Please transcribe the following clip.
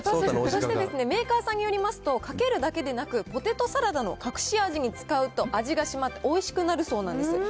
そしてメーカーさんによりますと、かけるだけでなく、ポテトサラダの隠し味に使うと味がしまって、おいしくなるそうなんです。